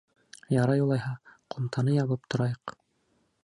Ярай улайһа, ҡумтаны ябып торайыҡ.